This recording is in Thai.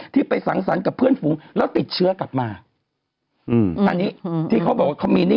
ที่ไปสังสรรค์กับเพื่อนฝูงแล้วติดเชื้อกลับมาอืมอันนี้ที่เขาบอกว่าเขามีหนี้